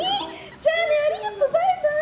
じゃあね、ありがとバイバイ！